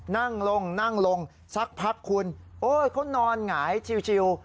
นั่งลงนั่งลงสักพักคุณโอ้ยเขานอนหงายชิว